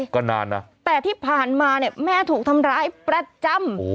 ก็นานนะแต่ที่ผ่านมาเนี่ยแม่ถูกทำร้ายประจำ